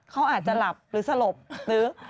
เขาอาจจะหลับหรือสลบหรือ